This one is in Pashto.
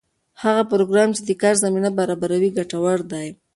هغه پروګرام چې د کار زمینه برابروي ګټور دی.